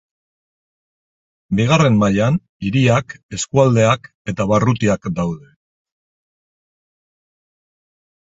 Bigarren mailan, hiriak, eskualdeak eta barrutiak daude.